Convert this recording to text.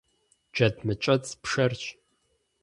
Джэд мыкӏэцӏ пшэрщ.